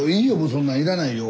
そんなんいらないよ。